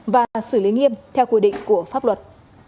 và xử lý nghiêm theo quy định của pháp luật